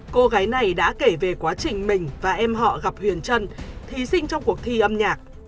cô gái này đã kể về quá trình mình và em họ gặp huyền trân thí sinh trong cuộc thi âm nhạc